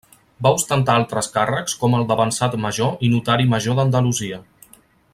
Va ostentar altres càrrecs com el d'avançat major i notari major d'Andalusia.